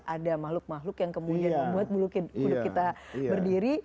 ada makhluk makhluk yang kemudian membuat bulu kita berdiri